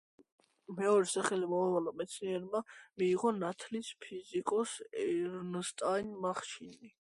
მეორე სახელი მომავალმა მეცნიერმა მიიღო ნათლიის, ფიზიკოს ერნსტ მახის პატივსაცემად.